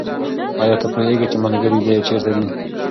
آیا ته پوهېږې چې ملګري دې چېرته دي؟